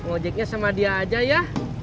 ojeknya sama dia aja ya